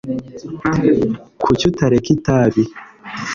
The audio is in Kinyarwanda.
kuki utareka itabi